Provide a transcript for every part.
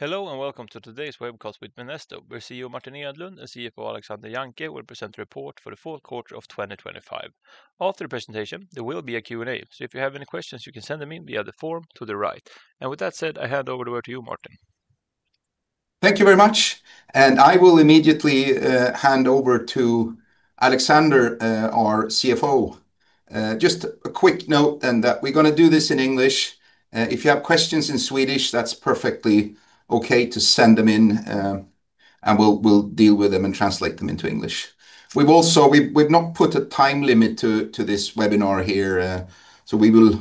Hello, and welcome to today's webcast with Minesto, where CEO Martin Edlund and CFO Alexander Jancke will present the report for the fourth quarter of 2025. After the presentation, there will be a Q&A, so if you have any questions, you can send them in via the form to the right. With that said, I hand over the word to you, Martin. Thank you very much. I will immediately hand over to Alexander, our CFO. Just a quick note then that we're gonna do this in English. If you have questions in Swedish, that's perfectly okay to send them in, and we'll deal with them and translate them into English. We've not put a time limit to this webinar here, so we will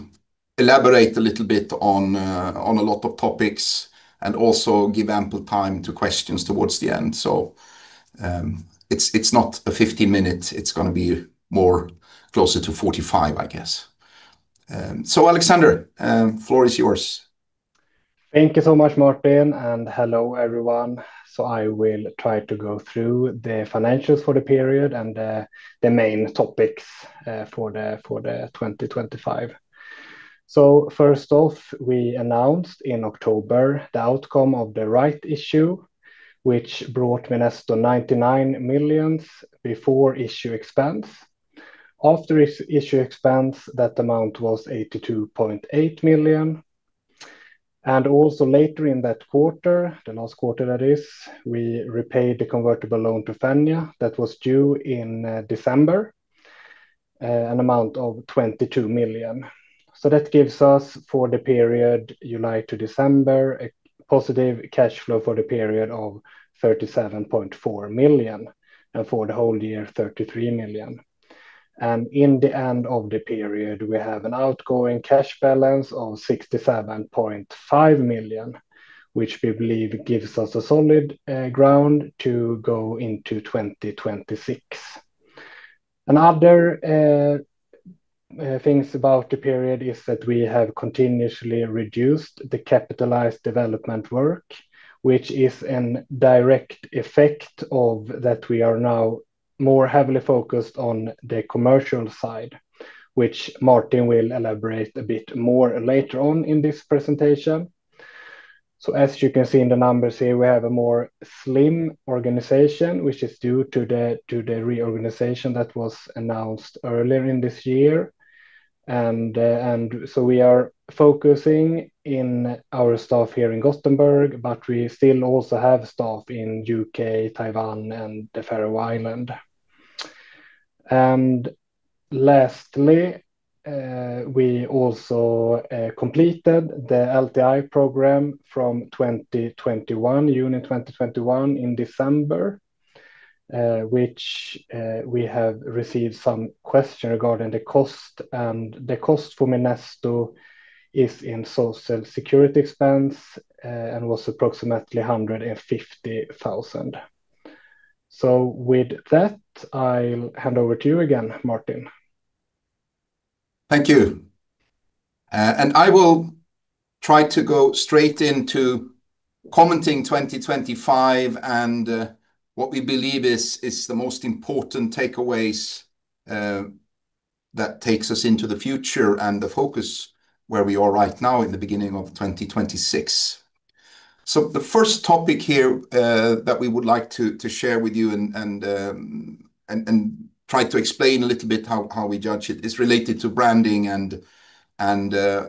elaborate a little bit on a lot of topics and also give ample time to questions towards the end. It's not a 50-minute, it's gonna be more closer to 45, I guess. Alexander, floor is yours. Thank you so much, Martin, and hello, everyone. I will try to go through the financials for the period and the main topics for 2025. First off, we announced in October the outcome of the right issue, which brought Minesto 99 million before issue expense. After issue expense, that amount was 82.8 million. Also later in that quarter, the last quarter, that is, we repaid the convertible loan to Fenja Capital that was due in December, an amount of 22 million. That gives us, for the period July to December, a positive cash flow for the period of 37.4 million, and for the whole year, 33 million. In the end of the period, we have an outgoing cash balance of 67.5 million, which we believe gives us a solid ground to go into 2026. Another things about the period is that we have continuously reduced the capitalized development work, which is a direct effect of that we are now more heavily focused on the commercial side, which Martin will elaborate a bit more later on in this presentation. As you can see in the numbers here, we have a more slim organization, which is due to the reorganization that was announced earlier in this year. We are focusing in our staff here in Gothenburg, but we still also have staff in U.K., Taiwan, and the Faroe Islands. Lastly, we also completed the LTI program from 2021, June 2021, in December, which we have received some question regarding the cost. The cost for Minesto is in Social Security expense and was approximately 150,000. With that, I'll hand over to you again, Martin. Thank you. I will try to go straight into commenting 2025, and what we believe is the most important takeaways that takes us into the future and the focus where we are right now in the beginning of 2026. The first topic here that we would like to share with you and try to explain a little bit how we judge it is related to branding and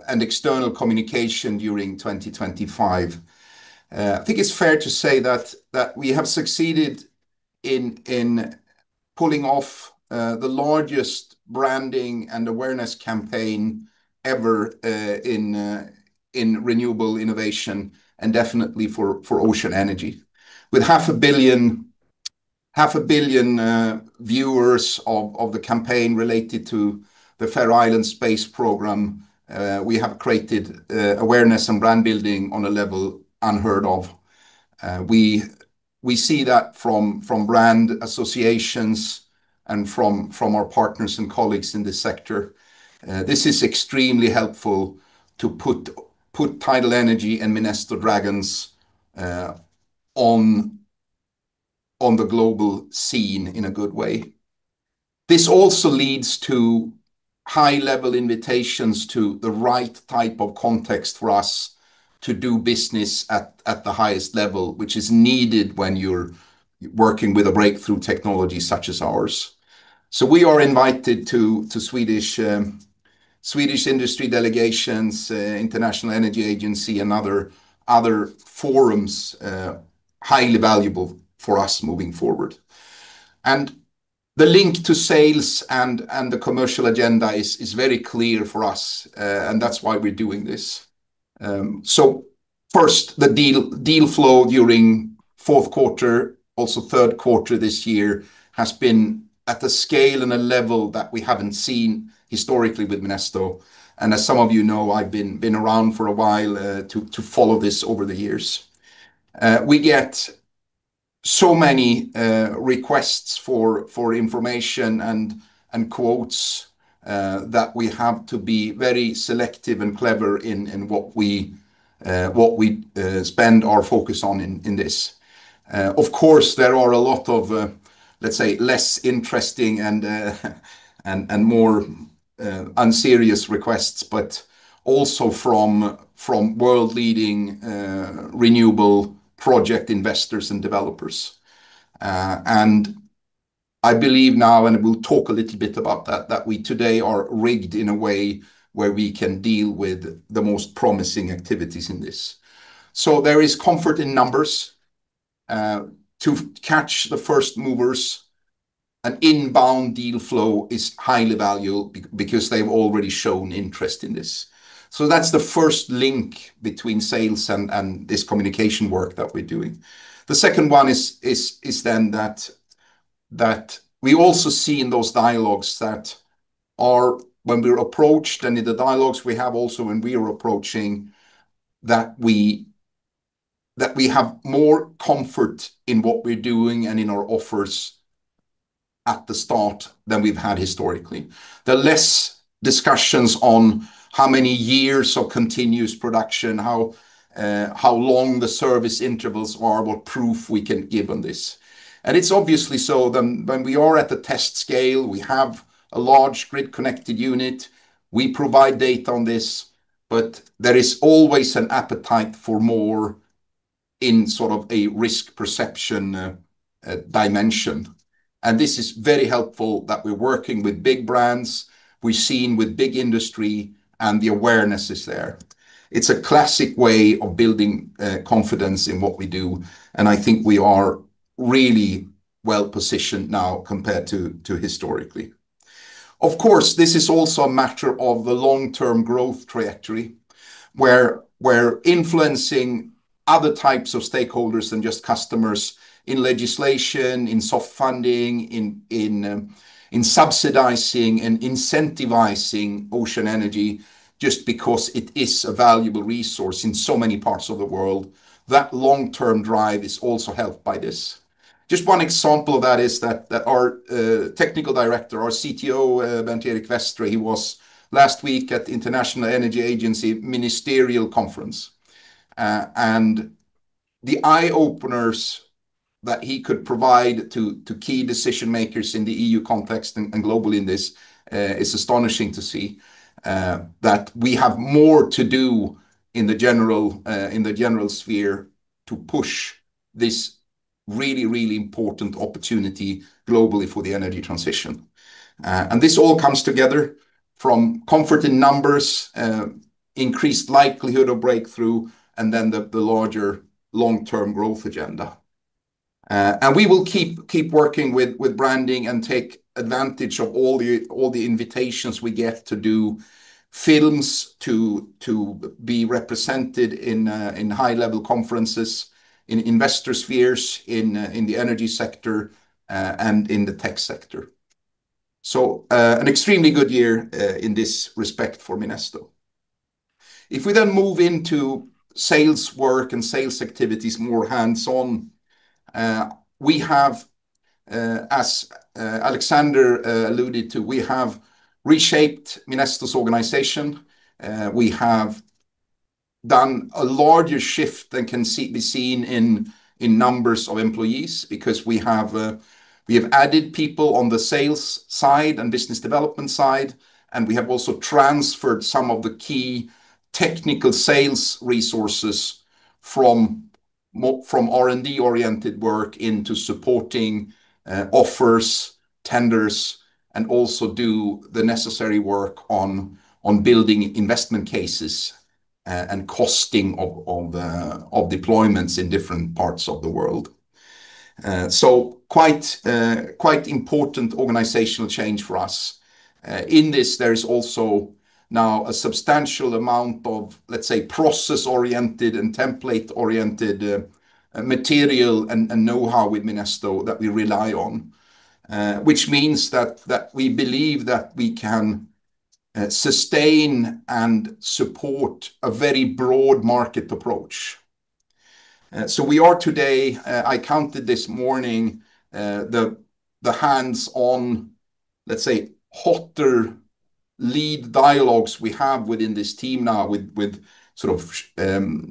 external communication during 2025. I think it's fair to say that we have succeeded in pulling off the largest branding and awareness campaign ever in renewable innovation and definitely for ocean energy. With half a billion viewers of the campaign related to The Faroe Islands Space Program, we have created awareness and brand building on a level unheard of. We see that from brand associations and from our partners and colleagues in this sector. This is extremely helpful to put tidal energy and Minesto Dragons on the global scene in a good way. This also leads to high-level invitations to the right type of context for us to do business at the highest level, which is needed when you're working with a breakthrough technology such as ours. We are invited to Swedish industry delegations, International Energy Agency, and other forums highly valuable for us moving forward. The link to sales and the commercial agenda is very clear for us, that's why we're doing this. First, the deal flow during fourth quarter, also third quarter this year, has been at a scale and a level that we haven't seen historically with Minesto. As some of you know, I've been around for a while to follow this over the years. We get so many requests for information and quotes that we have to be very selective and clever in what we spend our focus on in this. Of course, there are a lot of, let's say, less interesting and more unserious requests, but also from world-leading renewable project investors and developers. I believe now, and we'll talk a little bit about that we today are rigged in a way where we can deal with the most promising activities in this. There is comfort in numbers to catch the first movers, and inbound deal flow is highly valued because they've already shown interest in this. That's the first link between sales and this communication work that we're doing. The second one is then that we also see in those dialogues that are when we're approached, and in the dialogues we have also when we are approaching, that we have more comfort in what we're doing and in our offers at the start than we've had historically. There are less discussions on how many years of continuous production, how long the service intervals are, what proof we can give on this. It's obviously so then when we are at the test scale, we have a large grid-connected unit. We provide data on this, but there is always an appetite for more in sort of a risk perception dimension. This is very helpful that we're working with big brands, we've seen with big industry, and the awareness is there. It's a classic way of building confidence in what we do, and I think we are really well-positioned now compared to historically. Of course, this is also a matter of the long-term growth trajectory, where we're influencing other types of stakeholders than just customers in legislation, in soft funding, in, in subsidizing and incentivizing ocean energy just because it is a valuable resource in so many parts of the world. That long-term drive is also helped by this. Just one example of that is that our technical director, our CTO, Bernt Erik Westre, he was last week at the International Energy Agency Ministerial Conference. The eye-openers that he could provide to key decision-makers in the EU context and globally in this, is astonishing to see, that we have more to do in the general sphere to push this really, really important opportunity globally for the energy transition. This all comes together from comfort in numbers, increased likelihood of breakthrough, and then the larger long-term growth agenda. We will keep working with branding and take advantage of all the invitations we get to do films, to be represented in high-level conferences, in investor spheres, in the energy sector, and in the tech sector. An extremely good year, in this respect for Minesto. If we then move into sales work and sales activities, more hands-on, we have, as Alexander alluded to, we have reshaped Minesto's organization. We have done a larger shift than can be seen in numbers of employees, because we have added people on the sales side and business development side. We have also transferred some of the key technical sales resources from R&D-oriented work into supporting offers, tenders, and also do the necessary work on building investment cases, and costing of deployments in different parts of the world. Quite important organizational change for us. In this, there is also now a substantial amount of, let's say, process-oriented and template-oriented material and know-how with Minesto that we rely on, which means that we believe that we can sustain and support a very broad market approach. We are today, I counted this morning, the hands-on, let's say, hotter lead dialogues we have within this team now with sort of,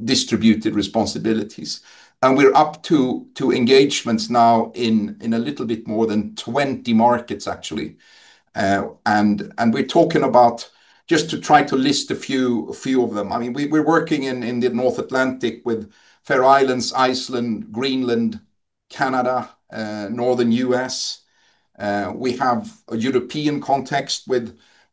distributed responsibilities. We're up to engagements now in a little bit more than 20 markets, actually. We're talking about... just to try to list a few of them, I mean, we're working in the North Atlantic with Faroe Islands, Iceland, Greenland, Canada, Northern US. We have a European context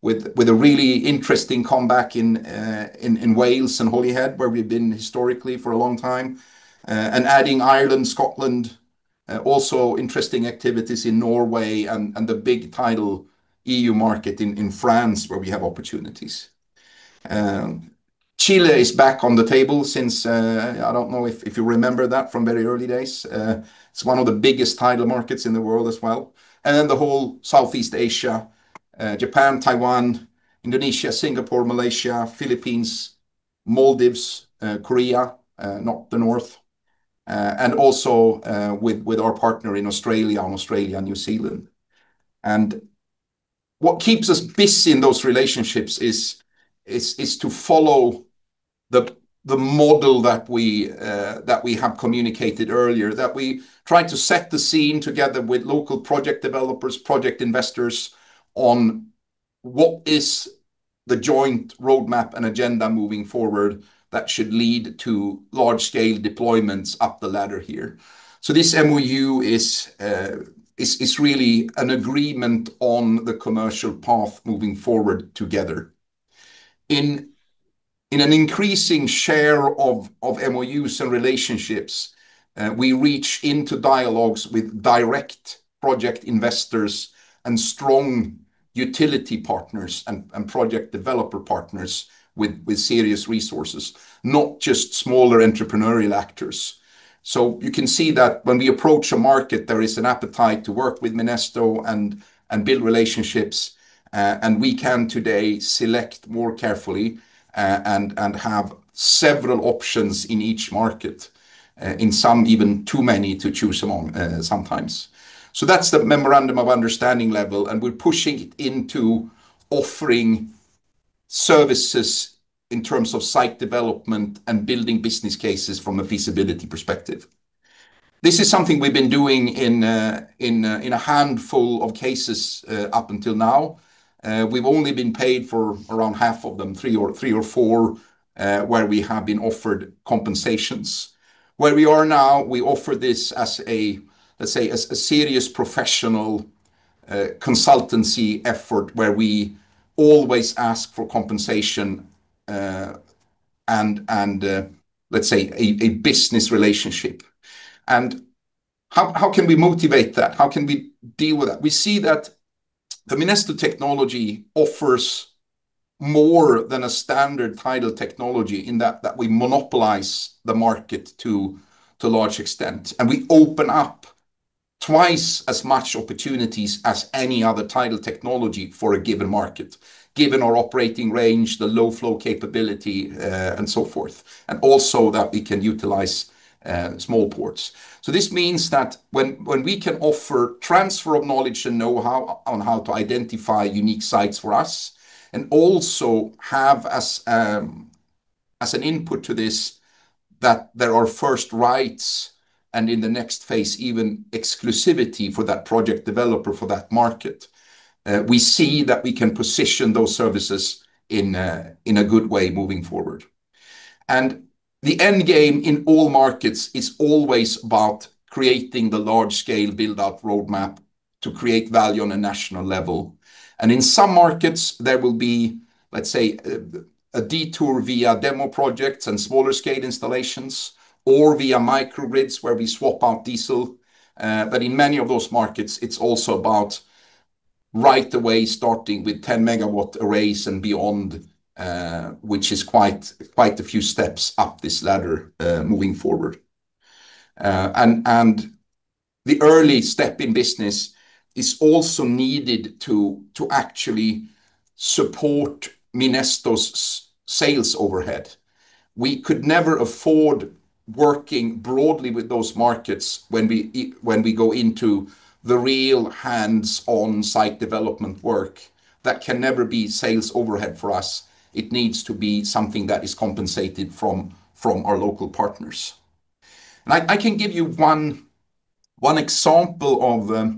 with a really interesting comeback in Wales and Holyhead, where we've been historically for a long time. Adding Ireland, Scotland, also interesting activities in Norway and the big tidal EU market in France, where we have opportunities. Chile is back on the table since I don't know if you remember that from very early days. It's one of the biggest tidal markets in the world as well. The whole Southeast Asia, Japan, Taiwan, Indonesia, Singapore, Malaysia, Philippines, Maldives, Korea - not the North, and also with our partner in Australia, on Australia and New Zealand. What keeps us busy in those relationships is to follow the model that we have communicated earlier, that we try to set the scene together with local project developers, project investors, on what is the joint roadmap and agenda moving forward that should lead to large-scale deployments up the ladder here. This MoU is really an agreement on the commercial path moving forward together. In an increasing share of MoUs and relationships, we reach into dialogues with direct project investors and strong utility partners and project developer partners with serious resources, not just smaller entrepreneurial actors. You can see that when we approach a market, there is an appetite to work with Minesto and build relationships, and we can today select more carefully, and have several options in each market, in some even too many to choose among, sometimes. That's the memorandum of understanding level, and we're pushing it into offering services in terms of site development and building business cases from a feasibility perspective. This is something we've been doing in a handful of cases, up until now. We've only been paid for around half of them, three or four, where we have been offered compensations. Where we are now, we offer this as a, let's say, as a serious professional consultancy effort, where we always ask for compensation, and a business relationship. How can we motivate that? How can we deal with that? We see that the Minesto technology offers more than a standard tidal technology in that we monopolize the market to a large extent, and we open up twice as much opportunities as any other tidal technology for a given market, given our operating range, the low flow capability, and so forth, and also that we can utilize small ports. This means that when we can offer transfer of knowledge and know-how on how to identify unique sites for us, and also have as an input to this, that there are first rights and in the next phase, even exclusivity for that project developer for that market, we see that we can position those services in a good way moving forward. The end game in all markets is always about creating the large-scale build-out roadmap to create value on a national level. In some markets, there will be, let's say, a detour via demo projects and smaller scale installations or via microgrids, where we swap out diesel. In many of those markets, it's also about right away starting with 10-megawatt arrays and beyond, which is quite a few steps up this ladder, moving forward. The early step in business is also needed to actually support Minesto's sales overhead. We could never afford working broadly with those markets when we go into the real hands-on site development work. That can never be sales overhead for us. It needs to be something that is compensated from our local partners. I can give you one example of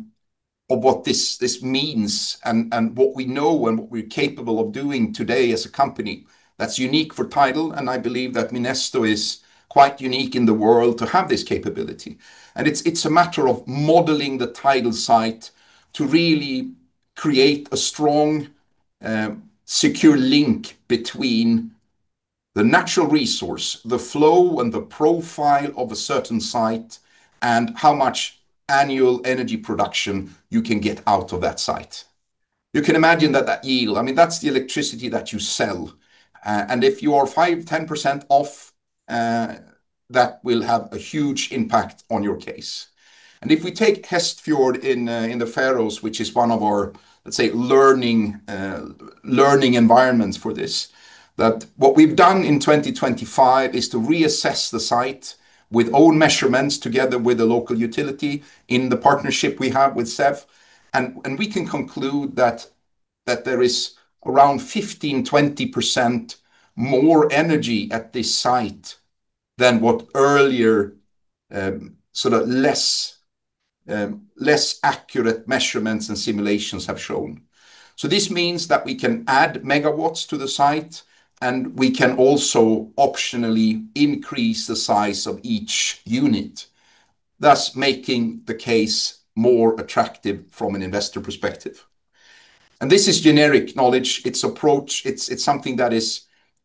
what this means, and what we know and what we're capable of doing today as a company that's unique for tidal, and I believe that Minesto is quite unique in the world to have this capability. It's, it's a matter of modeling the tidal site to really create a strong, secure link between the natural resource, the flow, and the profile of a certain site, and how much annual energy production you can get out of that site. You can imagine that that yield, I mean, that's the electricity that you sell, and if you are 5%, 10% off, that will have a huge impact on your case. If we take Hestfjord in the Faroes, which is one of our, let's say, learning environments for this, that what we've done in 2025 is to reassess the site with own measurements, together with the local utility in the partnership we have with SEV. We can conclude that there is around 15%-20% more energy at this site than what earlier, sort of less, less accurate measurements and simulations have shown. This means that we can add megawatts to the site, and we can also optionally increase the size of each unit, thus making the case more attractive from an investor perspective. This is generic knowledge, it's approach, it's something that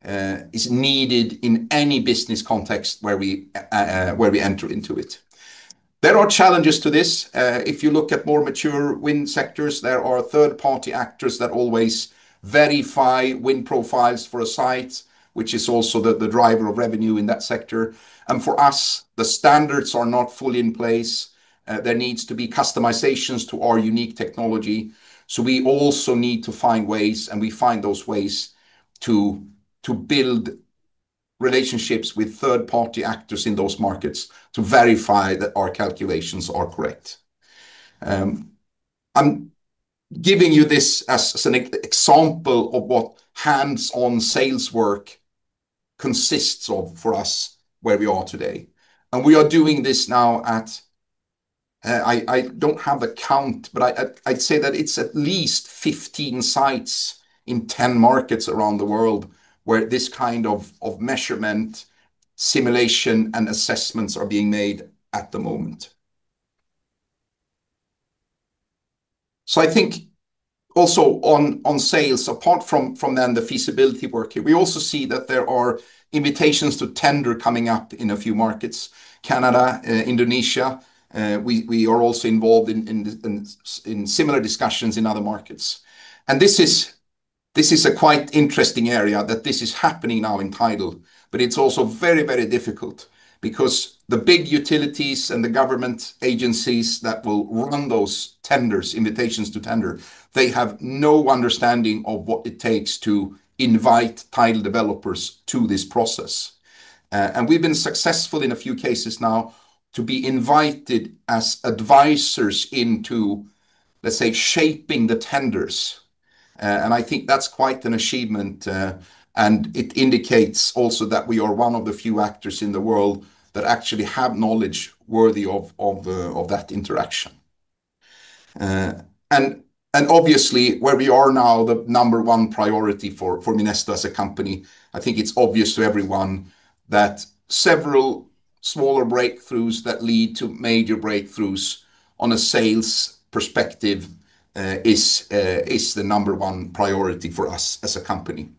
is needed in any business context where we enter into it. There are challenges to this. If you look at more mature wind sectors, there are third-party actors that always verify wind profiles for a site, which is also the driver of revenue in that sector. For us, the standards are not fully in place. There needs to be customizations to our unique technology. We also need to find ways, and we find those ways, to build relationships with third-party actors in those markets to verify that our calculations are correct. I'm giving you this as an example of what hands-on sales work consists of for us, where we are today. We are doing this now at, I don't have a count, but I'd say that it's at least 15 sites in 10 markets around the world, where this kind of measurement, simulation, and assessments are being made at the moment. I think also on sales, apart from then the feasibility work here, we also see that there are invitations to tender coming up in a few markets: Canada, Indonesia. We are also involved in similar discussions in other markets. This is, this is a quite interesting area that this is happening now in tidal, but it's also very, very difficult because the big utilities and the government agencies that will run those tenders, invitations to tender, they have no understanding of what it takes to invite tidal developers to this process. We've been successful in a few cases now to be invited as advisors into, let's say, shaping the tenders. I think that's quite an achievement, and it indicates also that we are one of the few actors in the world that actually have knowledge worthy of, of that interaction. Obviously, where we are now, the number one priority for Minesto as a company, I think it's obvious to everyone that several smaller breakthroughs that lead to major breakthroughs on a sales perspective, is the number one priority for us as a company.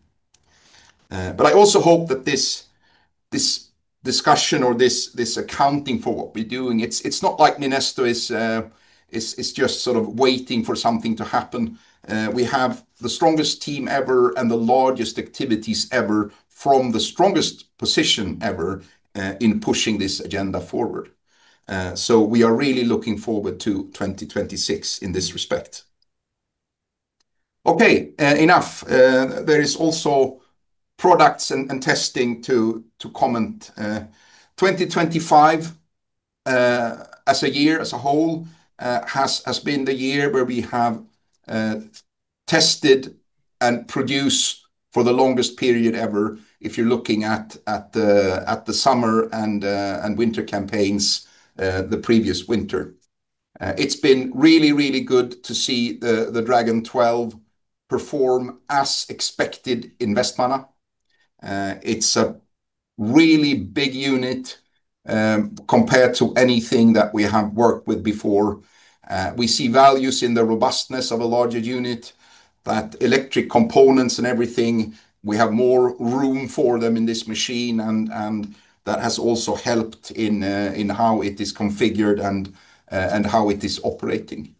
I also hope that this discussion or this accounting for what we're doing, it's not like Minesto is just sort of waiting for something to happen. We have the strongest team ever and the largest activities ever from the strongest position ever, in pushing this agenda forward. We are really looking forward to 2026 in this respect. Okay, enough. There is also products and testing to comment. 2025 as a year as a whole has been the year where we have tested and produced for the longest period ever, if you're looking at the summer and winter campaigns, the previous winter. It's been really good to see the Dragon 12 perform as expected in Vestmanna. It's a really big unit compared to anything that we have worked with before. We see values in the robustness of a larger unit, that electric components and everything, we have more room for them in this machine, and that has also helped in how it is configured and how it is operating.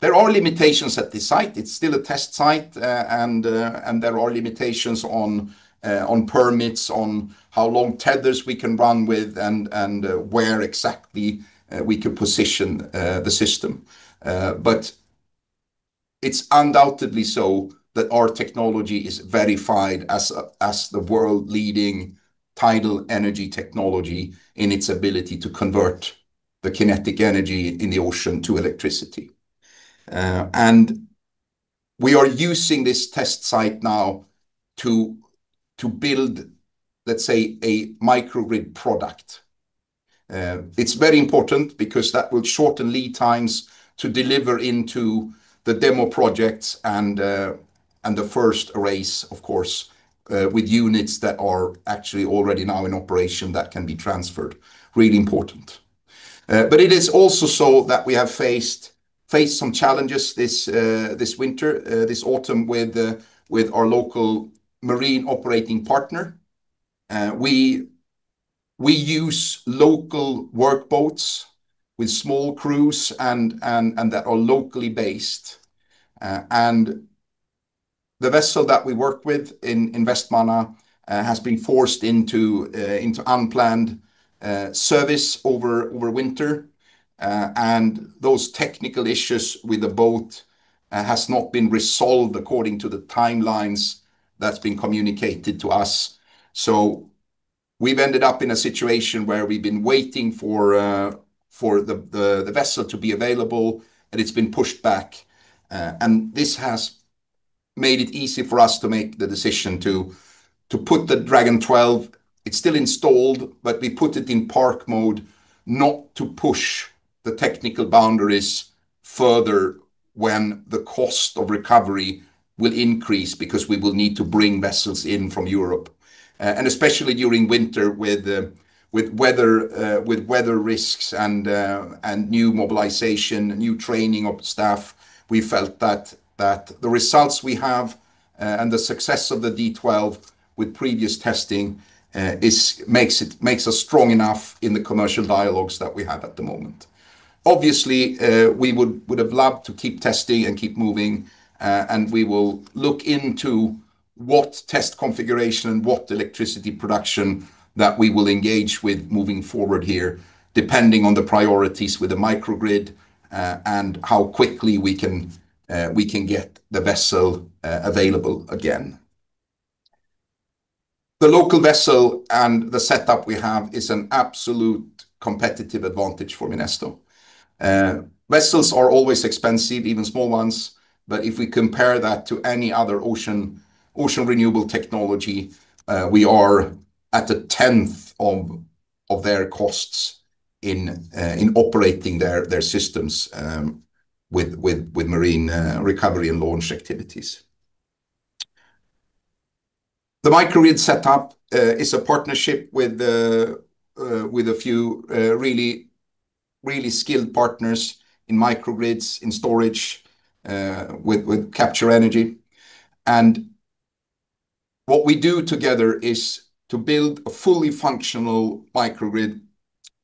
There are limitations at this site. It's still a test site, there are limitations on permits, on how long tethers we can run with, and where exactly we can position the system. It's undoubtedly so that our technology is verified as the world-leading tidal energy technology in its ability to convert the kinetic energy in the ocean to electricity. We are using this test site now to build, let's say, a microgrid product. It's very important because that will shorten lead times to deliver into the demo projects and the first arrays, of course, with units that are actually already now in operation that can be transferred. Really important. It is also so that we have faced some challenges this winter, this autumn with our local marine operating partner. We use local work boats with small crews and that are locally based. And the vessel that we work with in Vestmanna has been forced into unplanned service over winter. And those technical issues with the boat has not been resolved according to the timelines that's been communicated to us. We've ended up in a situation where we've been waiting for the vessel to be available, and it's been pushed back. This has made it easy for us to make the decision to put the Dragon 12... It's still installed, but we put it in park mode, not to push the technical boundaries further when the cost of recovery will increase because we will need to bring vessels in from Europe. And especially during winter, with weather, with weather risks and new mobilization, new training of staff, we felt that the results we have and the success of the D12 with previous testing is makes it, makes us strong enough in the commercial dialogues that we have at the moment. Obviously, we would have loved to keep testing and keep moving, and we will look into what test configuration and what electricity production that we will engage with moving forward here, depending on the priorities with the microgrid, and how quickly we can get the vessel available again. The local vessel and the setup we have is an absolute competitive advantage for Minesto. Vessels are always expensive, even small ones, but if we compare that to any other ocean renewable technology, we are at the 10th of their costs in operating their systems with marine recovery and launch activities. The microgrid setup is a partnership with a few really skilled partners in microgrids, in storage, with Capture Energy. What we do together is to build a fully functional microgrid,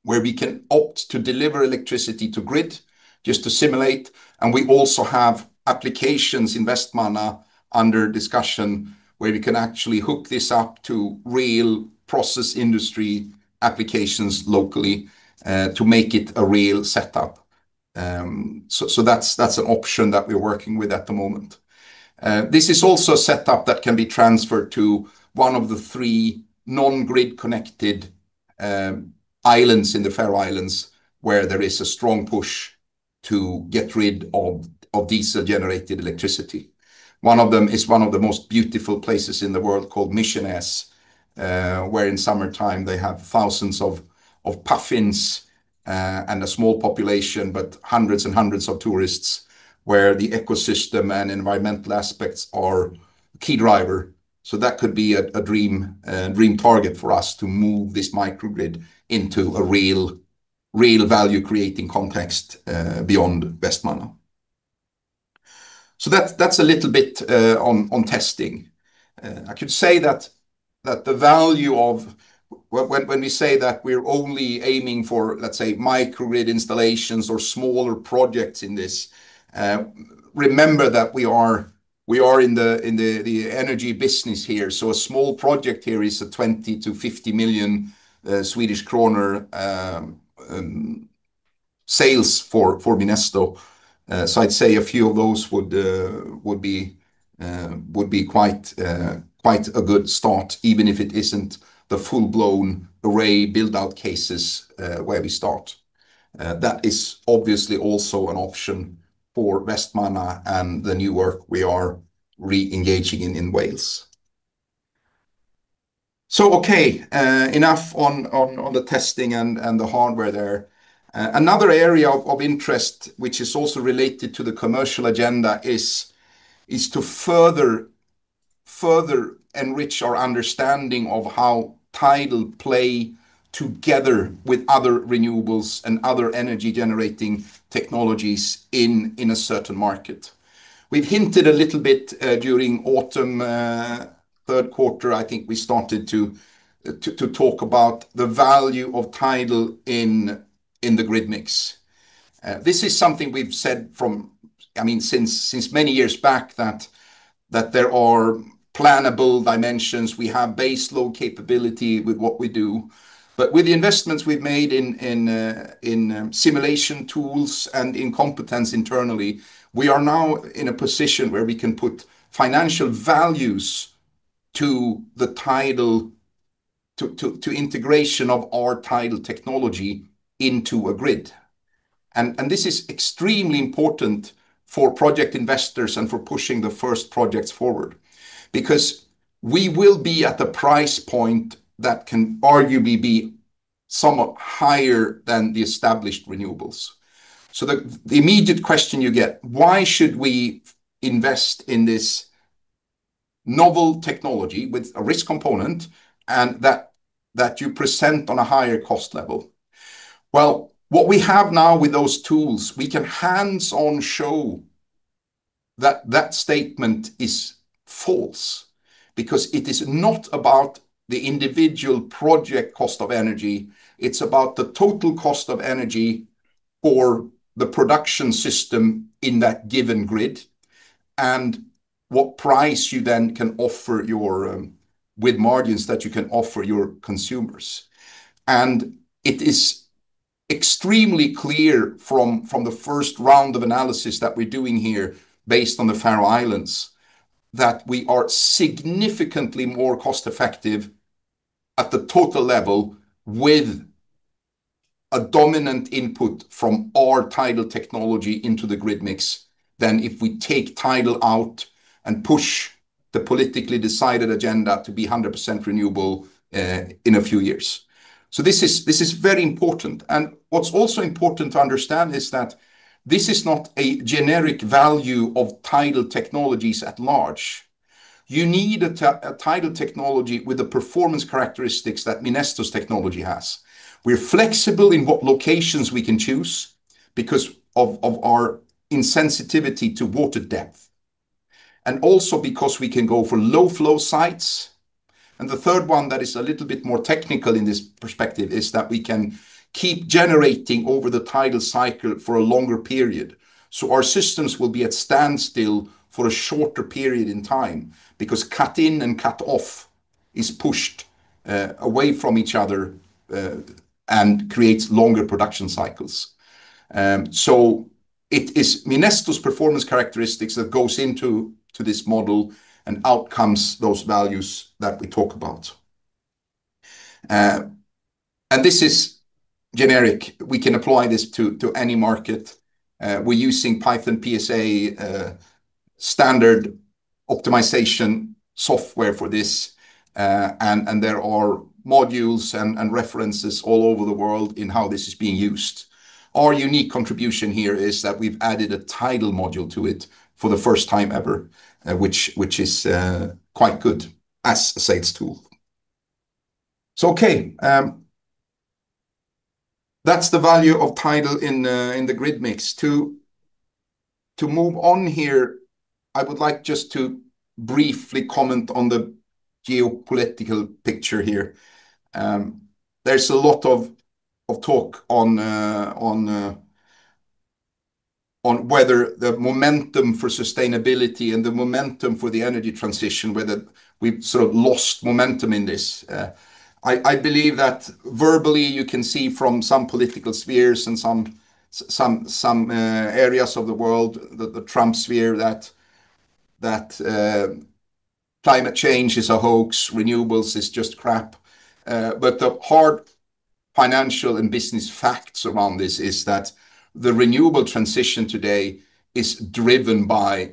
where we can opt to deliver electricity to grid, just to simulate, and we also have applications in Vestmanna under discussion, where we can actually hook this up to real process industry applications locally to make it a real setup. That's an option that we're working with at the moment. This is also a setup that can be transferred to one of the three non-grid connected islands in the Faroe Islands, where there is a strong push to get rid of diesel-generated electricity. One of them is one of the most beautiful places in the world called Mykines, where in summertime they have thousands of puffins and a small population, but hundreds and hundreds of tourists, where the ecosystem and environmental aspects are a key driver. That could be a dream target for us to move this microgrid into a real value-creating context beyond Vestmanna. That's a little bit on testing. I could say that the value of... When we say that we're only aiming for, let's say, microgrid installations or smaller projects in this, remember that we are in the energy business here. A small project here is a 20 million-50 million Swedish kronor sales for Minesto. I'd say a few of those would be quite a good start, even if it isn't the full-blown array build-out cases where we start. That is obviously also an option for Vestmanna and the new work we are re-engaging in Wales. Okay, enough on the testing and the hardware there. Another area of interest, which is also related to the commercial agenda, is to further enrich our understanding of how tidal play together with other renewables and other energy-generating technologies in a certain market. We've hinted a little bit during autumn, third quarter, I think we started to talk about the value of tidal in the grid mix. This is something we've said from, I mean, since many years back, that there are plannable dimensions. We have base load capability with what we do. With the investments we've made in simulation tools and in competence internally, we are now in a position where we can put financial values to the tidal, to integration of our tidal technology into a grid. This is extremely important for project investors and for pushing the first projects forward, because we will be at the price point that can arguably be somewhat higher than the established renewables. The immediate question you get, "Why should we invest in this novel technology with a risk component and that you present on a higher cost level?" Well, what we have now with those tools, we can hands-on show that that statement is false, because it is not about the individual project cost of energy, it's about the total cost of energy or the production system in that given grid, and what price you then can offer your with margins that you can offer your consumers. It is extremely clear from the first round of analysis that we're doing here, based on the Faroe Islands, that we are significantly more cost-effective at the total level with a dominant input from our tidal technology into the grid mix than if we take tidal out and push the politically decided agenda to be 100% renewable in a few years. This is very important. What's also important to understand is that this is not a generic value of tidal technologies at large. You need a tidal technology with the performance characteristics that Minesto's technology has. We're flexible in what locations we can choose because of our insensitivity to water depth, and also because we can go for low-flow sites. The third one that is a little bit more technical in this perspective is that we can keep generating over the tidal cycle for a longer period. Our systems will be at standstill for a shorter period in time, because cut in and cut off is pushed away from each other and creates longer production cycles. It is Minesto's performance characteristics that goes into this model, and out comes those values that we talk about. This is generic. We can apply this to any market. We're using Python PSA standard optimization software for this, and there are modules and references all over the world in how this is being used. Our unique contribution here is that we've added a tidal module to it for the first time ever, which is quite good as a sales tool. Okay, that's the value of tidal in the grid mix. To move on here, I would like just to briefly comment on the geopolitical picture here. There's a lot of talk on whether the momentum for sustainability and the momentum for the energy transition, whether we've sort of lost momentum in this. I believe that verbally you can see from some political spheres and some areas of the world, the Trump sphere, that climate change is a hoax, renewables is just crap. The hard financial and business facts around this is that the renewable transition today is driven by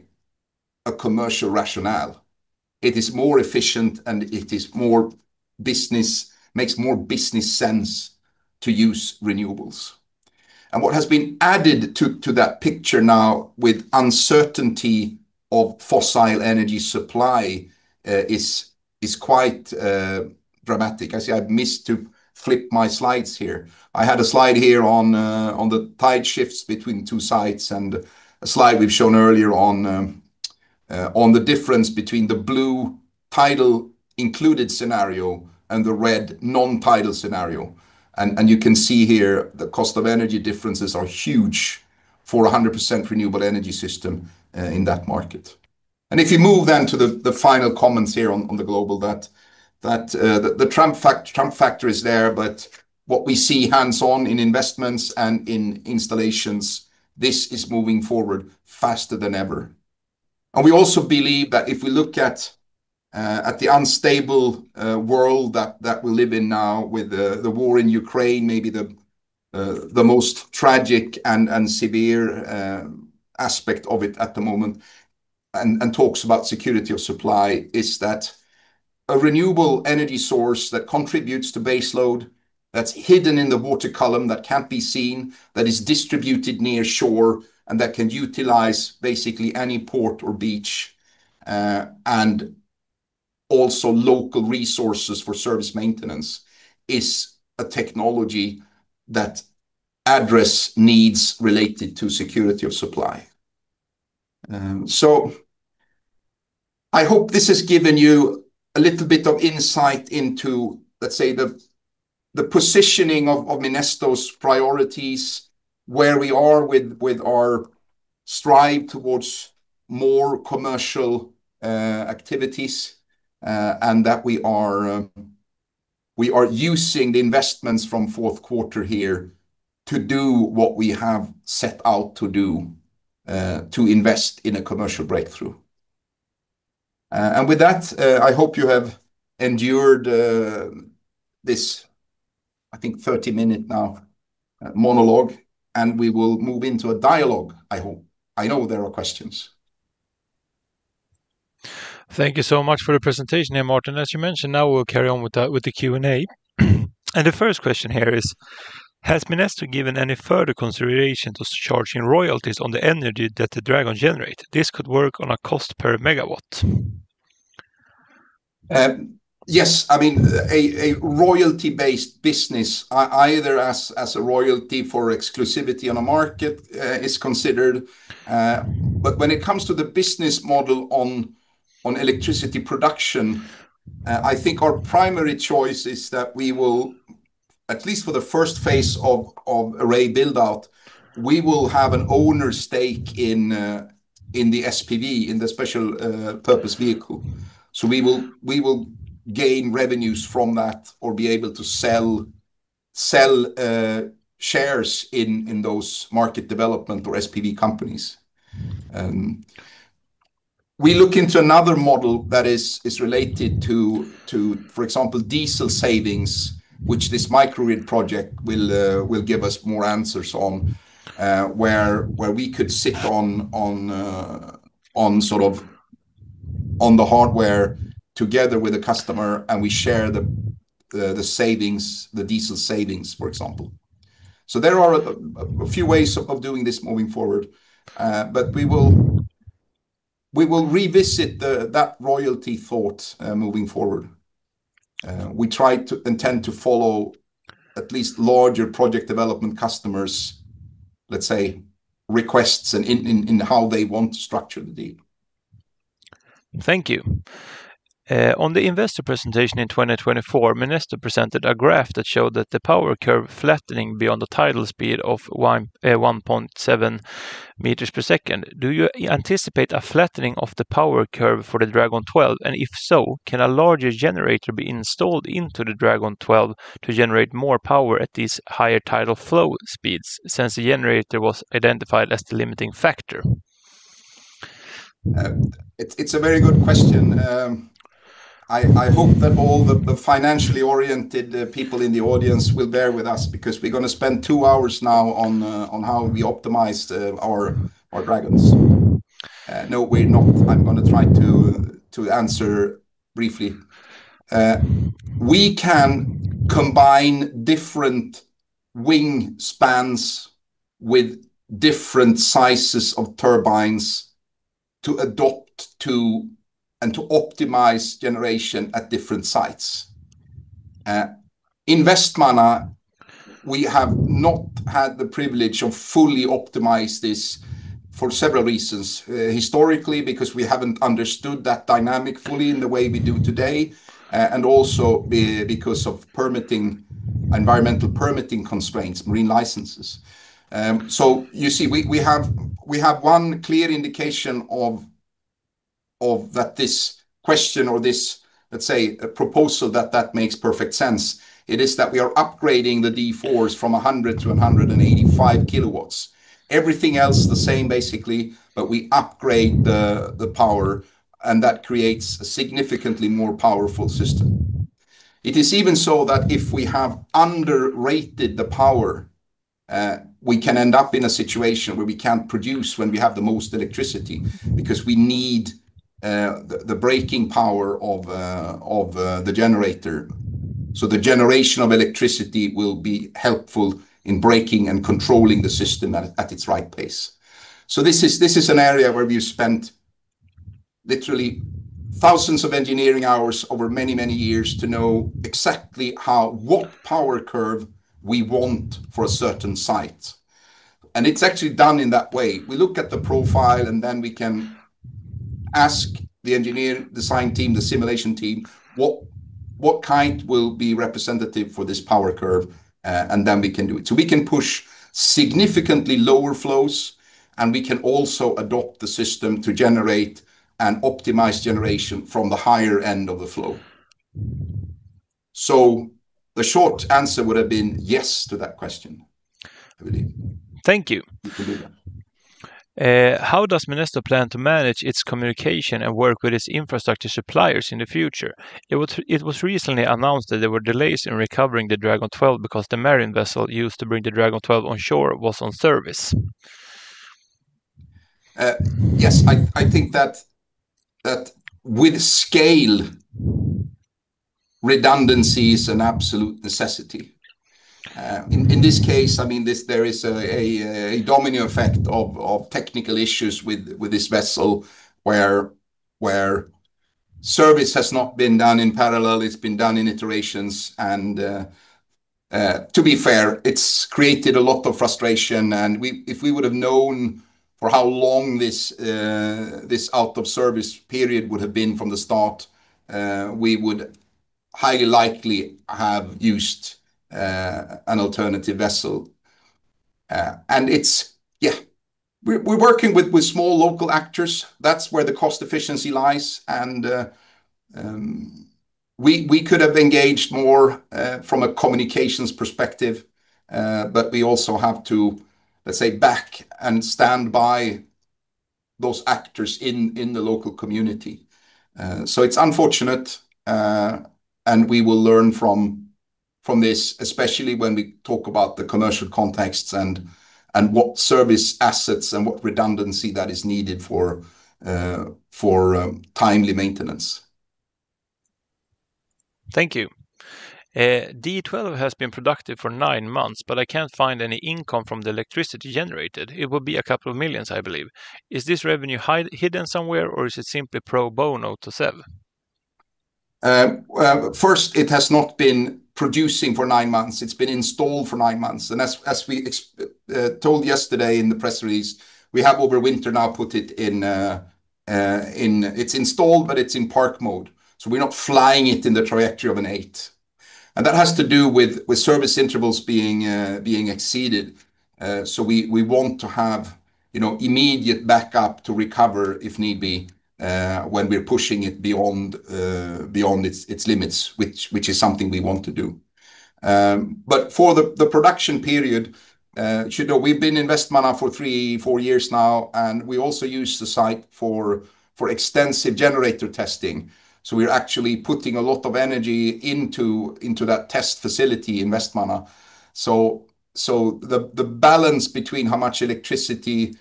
a commercial rationale. It is more efficient, and it makes more business sense to use renewables. What has been added to that picture now with uncertainty of fossil energy supply is quite dramatic. I see I've missed to flip my slides here. I had a slide here on the tide shifts between two sites, and a slide we've shown earlier on the difference between the blue tidal included scenario and the red non-tidal scenario. You can see here the cost of energy differences are huge for a 100% renewable energy system in that market. If you move then to the final comments here on the global, that the Trump factor is there, but what we see hands-on in investments and in installations, this is moving forward faster than ever. We also believe that if we look at the unstable world that we live in now with the war in Ukraine, maybe the most tragic and severe aspect of it at the moment, and talks about security of supply, is that a renewable energy source that contributes to base load, that's hidden in the water column, that can't be seen, that is distributed nearshore, and that can utilize basically any port or beach and also local resources for service maintenance, is a technology that address needs related to security of supply. I hope this has given you a little bit of insight into, let's say, the positioning of Minesto's priorities, where we are with our strive towards more commercial activities, and that we are, we are using the investments from fourth quarter here to do what we have set out to do, to invest in a commercial breakthrough. With that, I hope you have endured this, I think, 30-minute now monologue, and we will move into a dialogue, I hope. I know there are questions. Thank you so much for the presentation here, Martin. As you mentioned, now we'll carry on with the Q&A. The first question here is: has Minesto given any further consideration to charging royalties on the energy that the Dragon generate? This could work on a cost per megawatt. Yes. I mean, a royalty-based business, either as a royalty for exclusivity on a market is considered, but when it comes to the business model on electricity production, I think our primary choice is that we will, at least for the first phase of array build-out, we will have an owner stake in the SPV, in the special purpose vehicle. We will gain revenues from that or be able to sell shares in those market development or SPV companies. We look into another model that is related to, for example, diesel savings, which this microgrid project will give us more answers on where we could sit on sort of on the hardware together with the customer, and we share the savings, the diesel savings, for example. There are a few ways of doing this moving forward, but we will revisit that royalty thought moving forward. We try to intend to follow at least larger project development customers, let's say, requests in how they want to structure the deal. Thank you. On the investor presentation in 2024, Minesto presented a graph that showed that the power curve flattening beyond the tidal speed of 1.7 meters per second. Do you anticipate a flattening of the power curve for the Dragon 12? If so, can a larger generator be installed into the Dragon 12 to generate more power at these higher tidal flow speeds, since the generator was identified as the limiting factor? It's a very good question. I hope that all the financially oriented people in the audience will bear with us, because we're gonna spend two hours now on how we optimize the our Dragons. No, we're not. I'm gonna try to answer briefly. We can combine different wing spans with different sizes of turbines to adopt to, and to optimize generation at different sites. In Vestmanna, we have not had the privilege of fully optimize this for several reasons. Historically, because we haven't understood that dynamic fully in the way we do today, and also because of permitting, environmental permitting constraints, marine licenses. You see, we have one clear indication of that this question or this, let's say, a proposal that makes perfect sense. It is that we are upgrading the D4s from 100 to 185 kW. Everything else the same, basically, but we upgrade the power, and that creates a significantly more powerful system. It is even so that if we have underrated the power, we can end up in a situation where we can't produce when we have the most electricity, because we need the breaking power of, the generator. The generation of electricity will be helpful in breaking and controlling the system at its right pace. This is an area where we've spent literally thousands of engineering hours over many, many years to know exactly what power curve we want for a certain site. It's actually done in that way. We look at the profile, and then we can ask the engineer, design team, the simulation team, what kind will be representative for this power curve, and then we can do it. We can push significantly lower flows, and we can also adopt the system to generate an optimized generation from the higher end of the flow. The short answer would have been yes to that question, really. Thank you. We can do that. How does Minesto plan to manage its communication and work with its infrastructure suppliers in the future? It was recently announced that there were delays in recovering the Dragon 12 because the marine vessel used to bring the Dragon 12 on shore was on service. Yes. I think that with scale, redundancy is an absolute necessity. In this case, I mean, this there is a domino effect of technical issues with this vessel, where service has not been done in parallel, it's been done in iterations. To be fair, it's created a lot of frustration, and if we would have known for how long this out-of-service period would have been from the start, we would highly likely have used an alternative vessel. It's... Yeah. We're working with small local actors. That's where the cost efficiency lies, we could have engaged more from a communications perspective, but we also have to, let's say, back and stand by those actors in the local community. It's unfortunate, and we will learn from this, especially when we talk about the commercial contexts and what service assets and what redundancy that is needed for timely maintenance. Thank you. D12 has been productive for nine months, but I can't find any income from the electricity generated. It will be a couple of millions, I believe. Is this revenue hidden somewhere, or is it simply pro bono to SEV? First, it has not been producing for nine months. It's been installed for nine months. As we told yesterday in the press release, we have over winter now put it in. It's installed, but it's in park mode. We're not flying it in the trajectory of an eight, and that has to do with service intervals being exceeded. We want to have, you know, immediate backup to recover, if need be, when we're pushing it beyond its limits, which is something we want to do. For the production period, you know, we've been in Vestmanna for three, four years now, and we also use the site for extensive generator testing. We're actually putting a lot of energy into that test facility in Vestmanna. The balance between how much electricity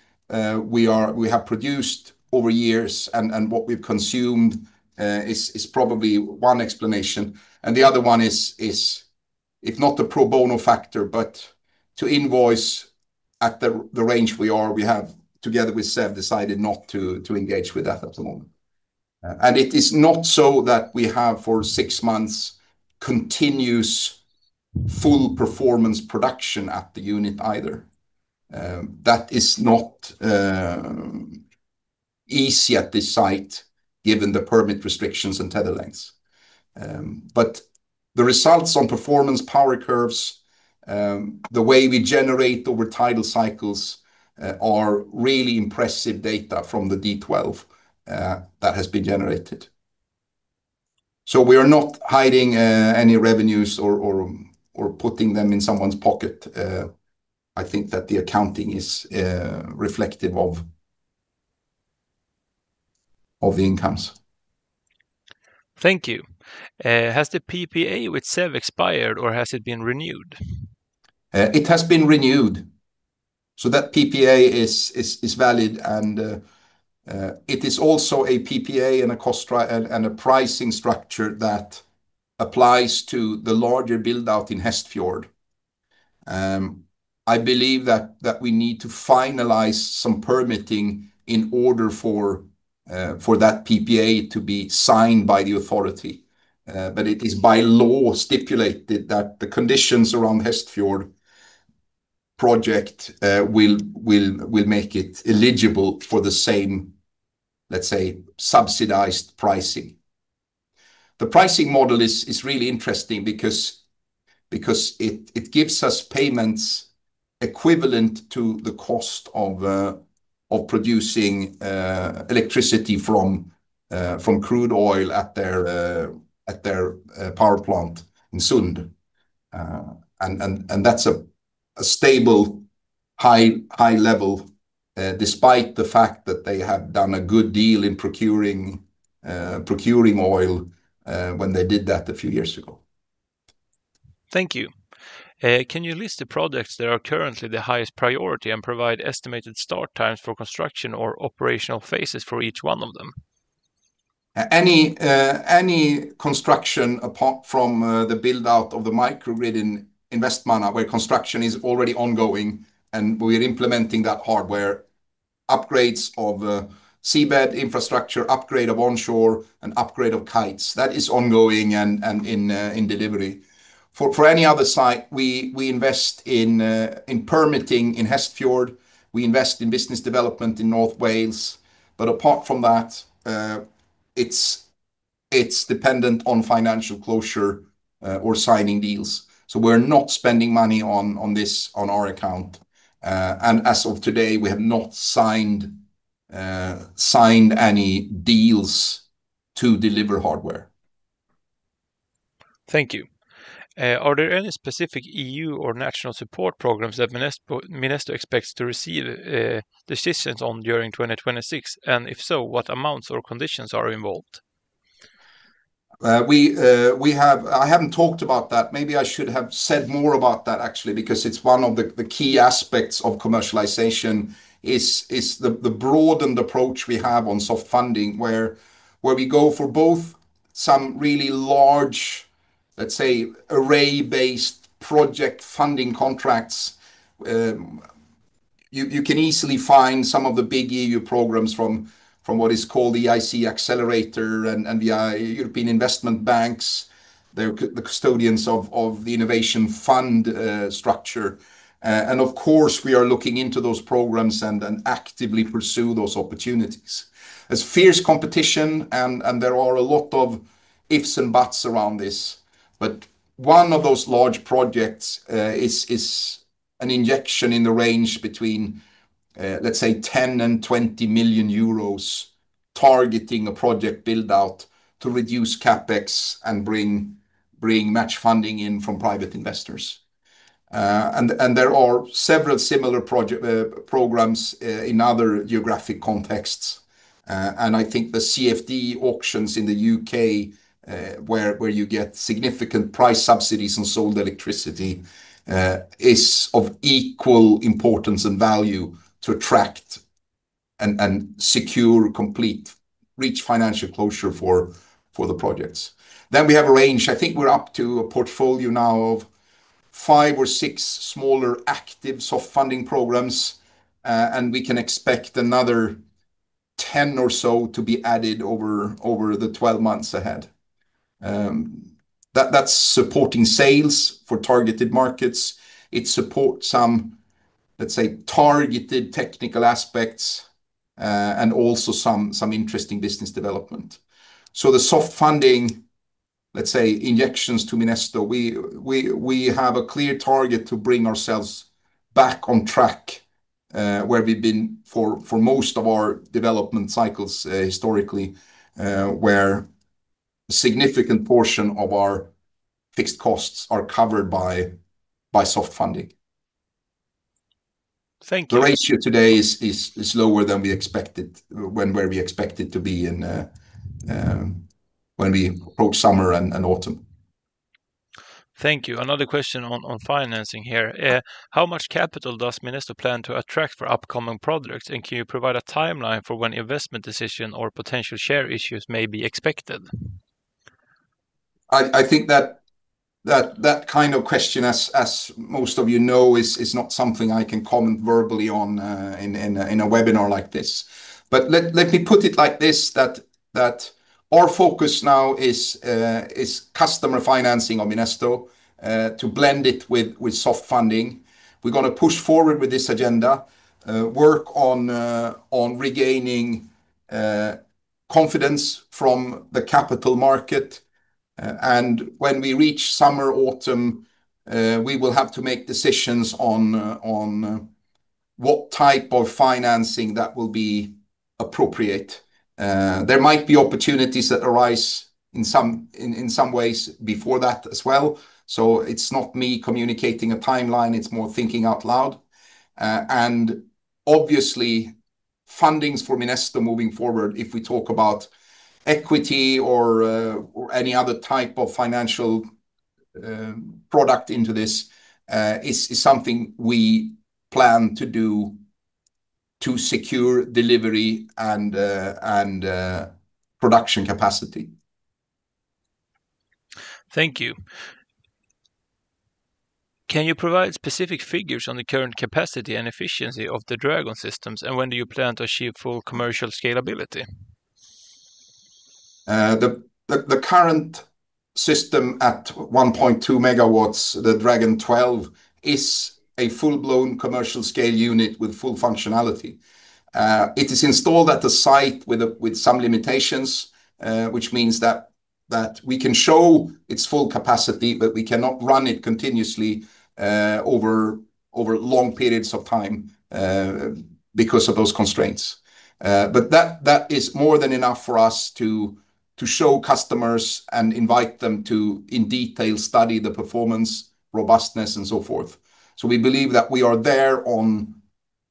we have produced over years and what we've consumed is probably one explanation. The other one is, if not the pro bono factor, but to invoice at the range we are, we have, together with SEV, decided not to engage with that at the moment. It is not so that we have for six months, continuous full performance production at the unit either. That is not easy at this site, given the permit restrictions and tether lengths. The results on performance, power curves, the way we generate over tidal cycles, are really impressive data from the D12 that has been generated. We are not hiding any revenues or putting them in someone's pocket. I think that the accounting is reflective of the incomes. Thank you. Has the PPA with SEV expired, or has it been renewed? It has been renewed, that PPA is valid. It is also a PPA and a pricing structure that applies to the larger build-out in Hestfjord. I believe that we need to finalize some permitting in order for that PPA to be signed by the authority. It is by law stipulated that the conditions around Hestfjord project will make it eligible for the same, let's say, subsidized pricing. The pricing model is really interesting because it gives us payments equivalent to the cost of producing electricity from crude oil at their power plant in Sund. That's a stable, high level, despite the fact that they have done a good deal in procuring oil, when they did that a few years ago. Thank you. Can you list the projects that are currently the highest priority and provide estimated start times for construction or operational phases for each one of them? Any construction apart from the build-out of the microgrid in Vestmanna, where construction is already ongoing, and we're implementing that hardware, upgrades of seabed infrastructure, upgrade of onshore, and upgrade of kites, that is ongoing and in delivery. For any other site, we invest in permitting in Hestfjord. We invest in business development in North Wales. Apart from that, it's dependent on financial closure or signing deals. We're not spending money on this, on our account. As of today, we have not signed any deals to deliver hardware. Thank you. Are there any specific EU or national support programs that Minesto expects to receive decisions on during 2026? If so, what amounts or conditions are involved? I haven't talked about that. Maybe I should have said more about that, actually, because it's one of the key aspects of commercialization, is the broadened approach we have on soft funding, where we go for both some really large, let's say, array-based project funding contracts. You can easily find some of the big EU programs from what is called the EIC Accelerator and the European Investment Bank. They're the custodians of the Innovation Fund structure. Of course, we are looking into those programs and actively pursue those opportunities. There's fierce competition, and there are a lot of ifs and buts around this, but one of those large projects, is an injection in the range between, let's say, 10 million-20 million euros, targeting a project build-out to reduce CapEx and bring match funding in from private investors. There are several similar project programs in other geographic contexts. I think the CFD auctions in the UK, where you get significant price subsidies on sold electricity, is of equal importance and value to attract and secure, complete, reach financial closure for the projects. We have a range. I think we're up to a portfolio now of 5 or 6 smaller active soft funding programs, and we can expect another 10 or so to be added over the 12 months ahead. that's supporting sales for targeted markets. It supports some, let's say, targeted technical aspects, and also some interesting business development. The soft funding, let's say, injections to Minesto, we have a clear target to bring ourselves back on track, where we've been for most of our development cycles, historically, where a significant portion of our fixed costs are covered by soft funding. Thank you. The ratio today is lower than we expected, where we expect it to be in when we approach summer and autumn. Thank you. Another question on financing here. How much capital does Minesto plan to attract for upcoming projects, and can you provide a timeline for when investment decision or potential share issues may be expected? I think that kind of question, as most of you know, is not something I can comment verbally on in a webinar like this. Let me put it like this, that our focus now is customer financing on Minesto, to blend it with soft funding. We're gonna push forward with this agenda, work on regaining confidence from the capital market. When we reach summer, autumn, we will have to make decisions on what type of financing that will be appropriate. There might be opportunities that arise in some ways before that as well. It's not me communicating a timeline, it's more thinking out loud. Obviously, fundings for Minesto moving forward, if we talk about equity or any other type of financial product into this is something we plan to do to secure delivery and production capacity. Thank you. Can you provide specific figures on the current capacity and efficiency of the Dragon systems, and when do you plan to achieve full commercial scalability? The current system at 1.2 MW, the Dragon 12, is a full-blown commercial scale unit with full functionality. It is installed at the site with some limitations, which means that we can show its full capacity, but we cannot run it continuously over long periods of time because of those constraints. That, that is more than enough for us to show customers and invite them to, in detail, study the performance, robustness, and so forth. We believe that we are there on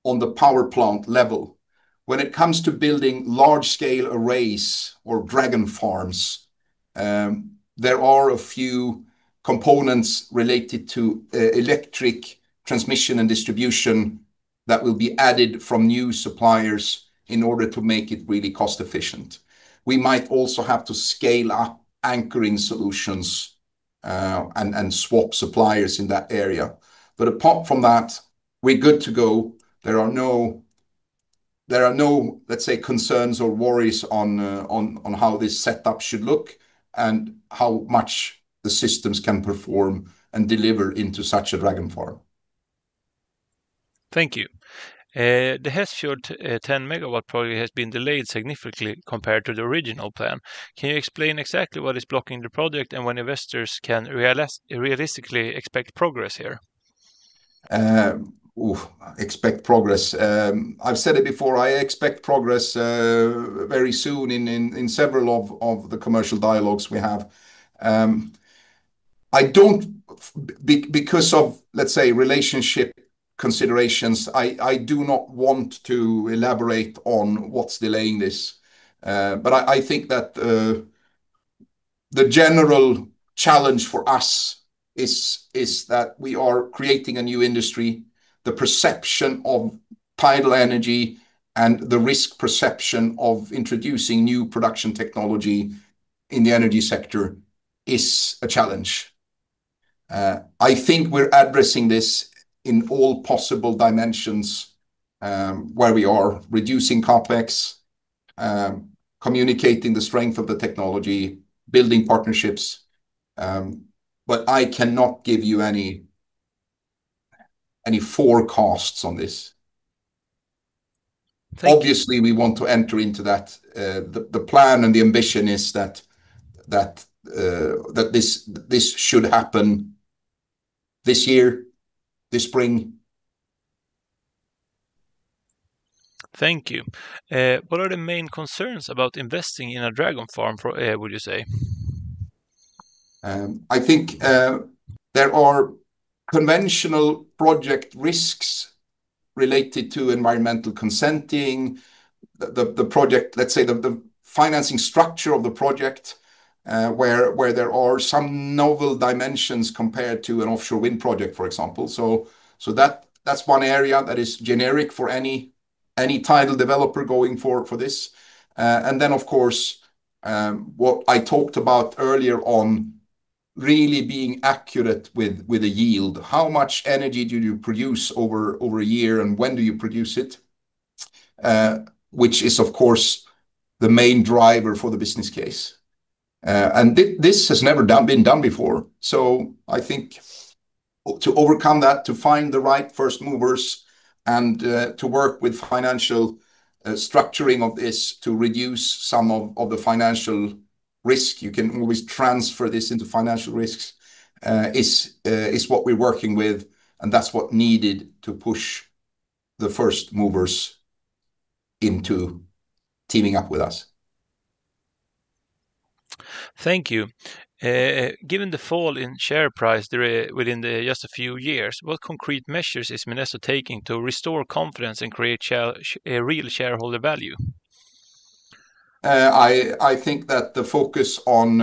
the power plant level. When it comes to building large-scale arrays or Dragon Farms, there are a few components related to electric transmission and distribution that will be added from new suppliers in order to make it really cost-efficient. We might also have to scale up anchoring solutions, and swap suppliers in that area. Apart from that, we're good to go. There are no, let's say, concerns or worries on how this setup should look and how much the systems can perform and deliver into such a Dragon Farm. Thank you. The Hestfjord, 10 MW project has been delayed significantly compared to the original plan. Can you explain exactly what is blocking the project, and when investors can realistically expect progress here? Expect progress. I've said it before, I expect progress very soon in several of the commercial dialogues we have. I don't because of, let's say, relationship considerations, I do not want to elaborate on what's delaying this. I think that the general challenge for us is that we are creating a new industry. The perception of tidal energy and the risk perception of introducing new production technology in the energy sector is a challenge. I think we're addressing this in all possible dimensions, where we are reducing CapEx, communicating the strength of the technology, building partnerships, but I cannot give you any forecasts on this. Thank you. We want to enter into that. The plan and the ambition is that this should happen this year, this spring. Thank you. What are the main concerns about investing in a Dragon Farm for, would you say? I think there are conventional project risks related to environmental consenting. Let's say, the financing structure of the project, where there are some novel dimensions compared to an offshore wind project, for example. That's one area that is generic for any tidal developer going for this. Then, of course, what I talked about earlier on, really being accurate with the yield. How much energy do you produce over a year, and when do you produce it? Which is, of course, the main driver for the business case. This has never been done before. I think to overcome that, to find the right first movers and to work with financial structuring of this to reduce some of the financial risk, you can always transfer this into financial risks, is what we're working with, and that's what needed to push the first movers into teaming up with us. Thank you. Given the fall in share price within just a few years, what concrete measures is Minesto taking to restore confidence and create real shareholder value? I think that the focus on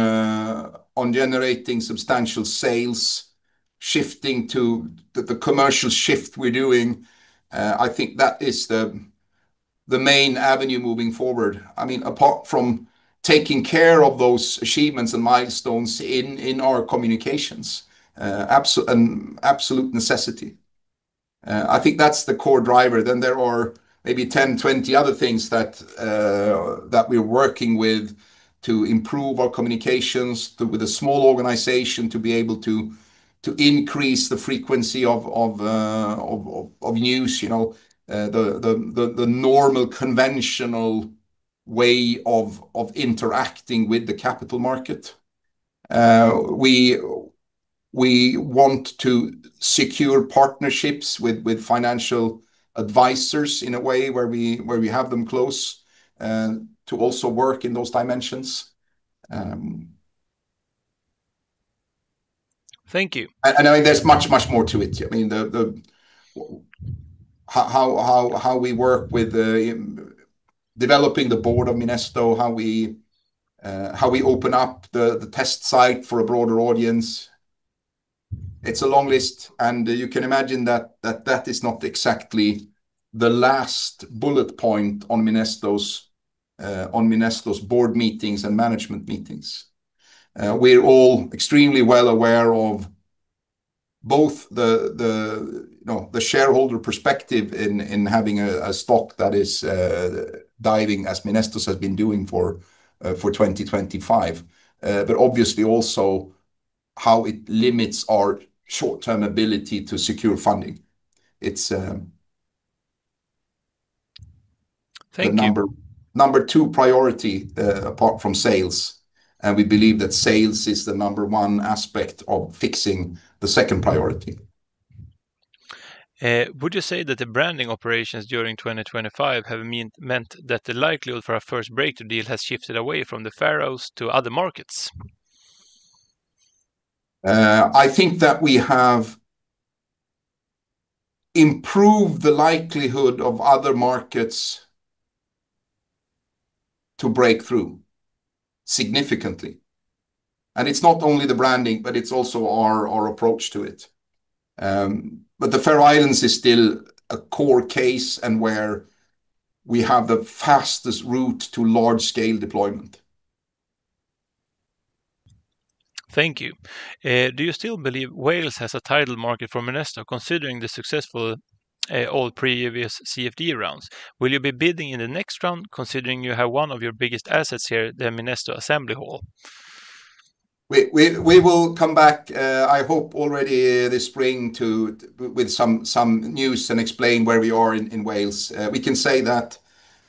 generating substantial sales, shifting to the commercial shift we're doing, I think that is the main avenue moving forward. I mean, apart from taking care of those achievements and milestones in our communications, an absolute necessity. I think that's the core driver. There are maybe 10, 20 other things that we're working with to improve our communications, with a small organization, to be able to increase the frequency of use, you know, the normal conventional way of interacting with the capital market. We want to secure partnerships with financial advisors in a way where we have them close to also work in those dimensions. Thank you. There's much, much more to it. I mean, the how we work with developing the board of Minesto, how we open up the test site for a broader audience. It's a long list, and you can imagine that is not exactly the last bullet point on Minesto's on Minesto's board meetings and management meetings. We're all extremely well aware of both the, you know, the shareholder perspective in having a stock that is diving, as Minesto's has been doing for 2025. Obviously also how it limits our short-term ability to secure funding. It's. Thank you. the number two priority, apart from sales, and we believe that sales is the number one aspect of fixing the second priority. Would you say that the branding operations during 2025 have meant that the likelihood for our first breakthrough deal has shifted away from the Faroes to other markets? I think that we have improved the likelihood of other markets to break through significantly, and it's not only the branding, but it's also our approach to it. The Faroe Islands is still a core case, and where we have the fastest route to large-scale deployment. Thank you. Do you still believe Wales has a tidal market for Minesto, considering the successful all previous CFD rounds? Will you be bidding in the next round, considering you have one of your biggest assets here, the Minesto Assembly Hall? We will come back, I hope already this spring with some news and explain where we are in Wales. We can say that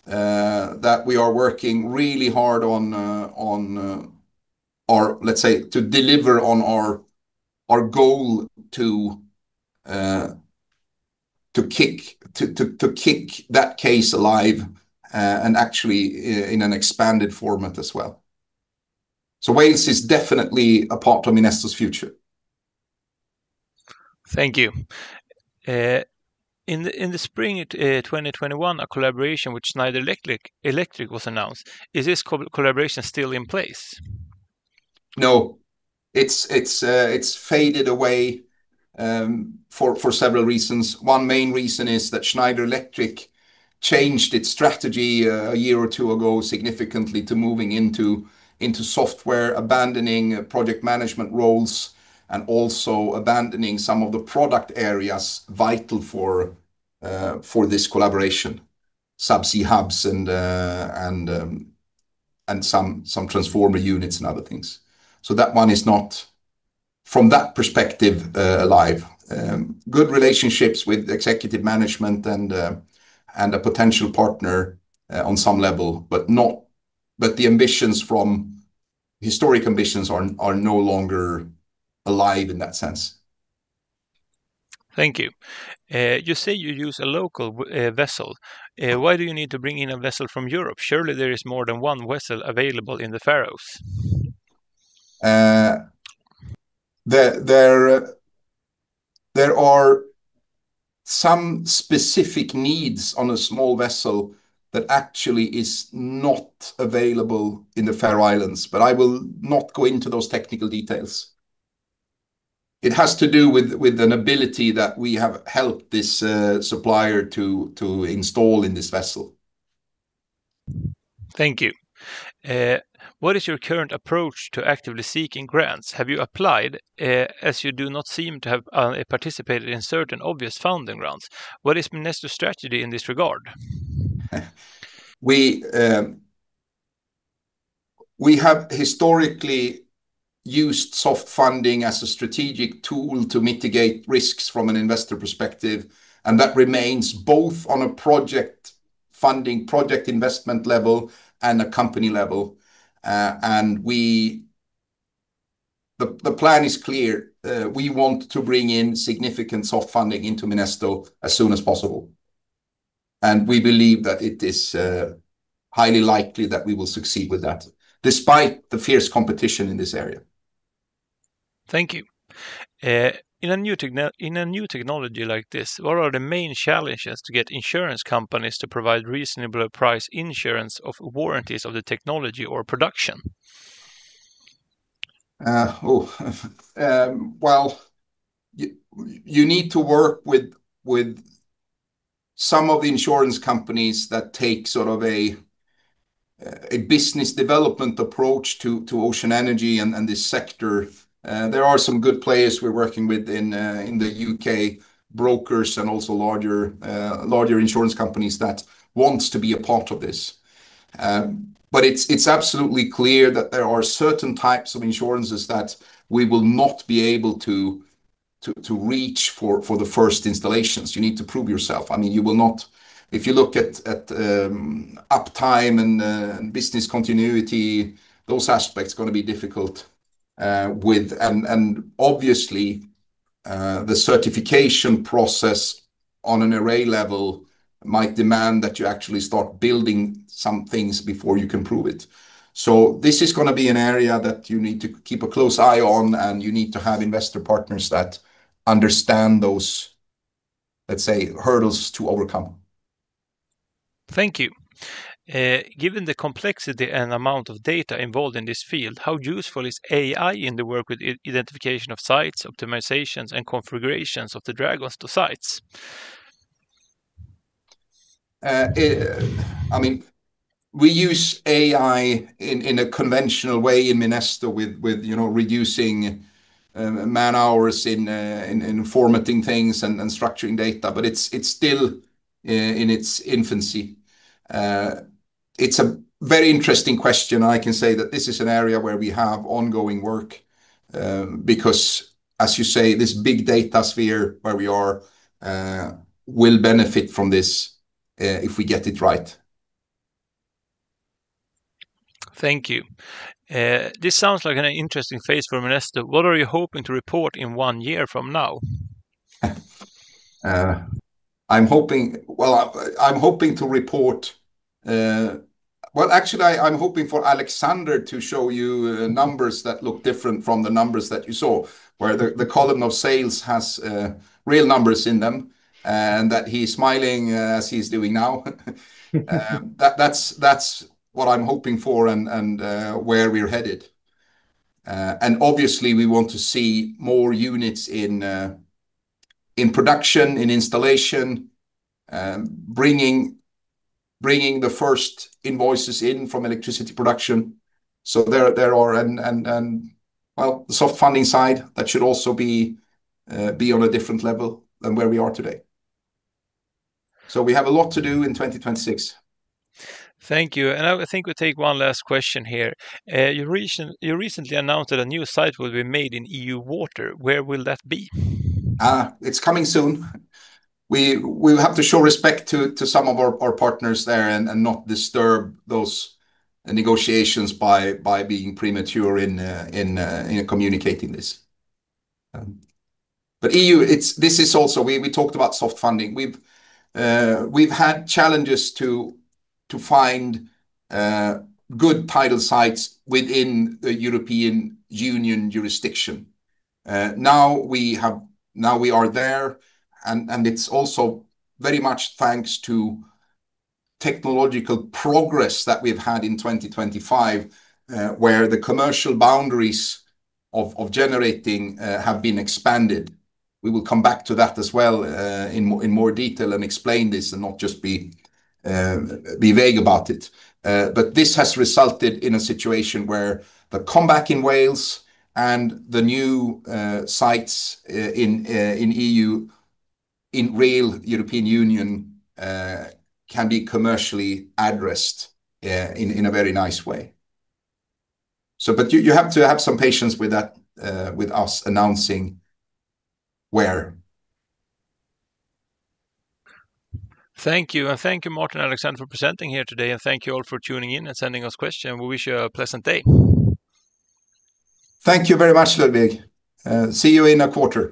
we are working really hard on or let's say, to deliver on our goal to kick that case alive, and actually in an expanded format as well. Wales is definitely a part of Minesto's future. Thank you. In the spring 2021, a collaboration with Schneider Electric was announced. Is this collaboration still in place? No. It's faded away for several reasons. One main reason is that Schneider Electric changed its strategy a year or two ago significantly to moving into software, abandoning project management roles, and also abandoning some of the product areas vital for this collaboration, subsea hubs and some transformer units and other things. That one is not, from that perspective, alive. Good relationships with executive management and a potential partner on some level, but the ambitions from historic ambitions are no longer alive in that sense. Thank you. You say you use a local vessel. Why do you need to bring in a vessel from Europe? Surely, there is more than one vessel available in the Faroes. There are some specific needs on a small vessel that actually is not available in the Faroe Islands, but I will not go into those technical details. It has to do with an ability that we have helped this supplier to install in this vessel. Thank you. What is your current approach to actively seeking grants? Have you applied, as you do not seem to have participated in certain obvious funding grants? What is Minesto's strategy in this regard? We have historically used soft funding as a strategic tool to mitigate risks from an investor perspective, and that remains both on a project funding, project investment level and a company level. The plan is clear. We want to bring in significant soft funding into Minesto as soon as possible, and we believe that it is highly likely that we will succeed with that, despite the fierce competition in this area. Thank you. In a new technology like this, what are the main challenges to get insurance companies to provide reasonable price insurance of warranties of the technology or production? You need to work with some of the insurance companies that take sort of a business development approach to ocean energy and this sector, there are some good players we're working with in the U.K., brokers and also larger insurance companies that wants to be a part of this. But it's absolutely clear that there are certain types of insurances that we will not be able to reach for the first installations. You need to prove yourself. I mean, if you look at uptime and business continuity, those aspects are gonna be difficult with. Obviously, the certification process on an array level might demand that you actually start building some things before you can prove it. This is gonna be an area that you need to keep a close eye on, and you need to have investor partners that understand those, let's say, hurdles to overcome. Thank you. Given the complexity and amount of data involved in this field, how useful is AI in the work with identification of sites, optimizations, and configurations of the Dragons to sites? I mean, we use AI in a conventional way in Minesto with, you know, reducing man-hours in formatting things and structuring data, but it's still in its infancy. It's a very interesting question. I can say that this is an area where we have ongoing work, because, as you say, this big data sphere where we are, will benefit from this, if we get it right. Thank you. This sounds like an interesting phase for Minesto. What are you hoping to report in one year from now? I'm hoping. Well, I'm hoping to report, well, actually, I'm hoping for Alexander to show you numbers that look different from the numbers that you saw, where the column of sales has real numbers in them, and that he's smiling as he's doing now. That's what I'm hoping for and where we're headed. Obviously, we want to see more units in production, in installation, bringing the first invoices in from electricity production. There are and, well, the soft funding side, that should also be on a different level than where we are today. We have a lot to do in 2026. Thank you. I think we take one last question here. You recently announced that a new site will be made in EU water. Where will that be? It's coming soon. We have to show respect to some of our partners there and not disturb those negotiations by being premature in communicating this. EU, this is also. We talked about soft funding. We've had challenges to find good tidal sites within the European Union jurisdiction. Now we are there, and it's also very much thanks to technological progress that we've had in 2025, where the commercial boundaries of generating have been expanded. We will come back to that as well in more detail and explain this and not just be vague about it. This has resulted in a situation where the comeback in Wales and the new sites in EU, in real European Union, can be commercially addressed in a very nice way. You have to have some patience with that with us announcing where. Thank you. Thank you, Martin and Alexander, for presenting here today, and thank you all for tuning in and sending us questions. We wish you a pleasant day. Thank you very much, Ludwig, and see you in a quarter.